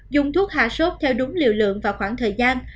dùng thuốc hạ sốt theo đúng liều lượng và khoảng thời gian